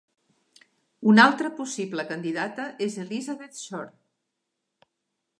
Una altra possible candidata és Elizabeth Shore.